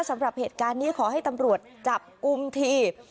สำหรับเหตุการณ์นี้ขอให้ตำรวจจับกลุ่มที